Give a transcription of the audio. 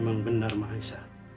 memang benar maha esa